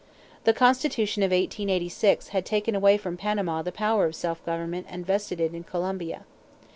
The constitution of 1886 had taken away from Panama the power of self government and vested it in Columbia.